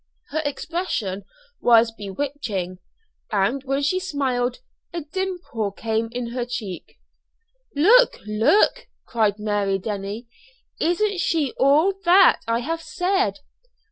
Her expression was bewitching, and when she smiled a dimple came in her cheek. "Look look!" cried Mary Denny. "Isn't she all that I have said?"